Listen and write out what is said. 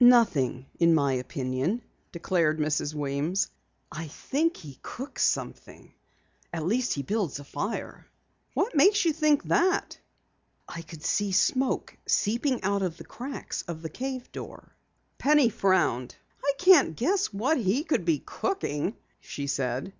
"Nothing in my opinion," declared Mrs. Weems. "I think he cooks something. At least he builds a fire." "What makes you think that?" "I could see smoke seeping out from the cracks of the cave door." Penny frowned. "I can't guess what he could be cooking," she said.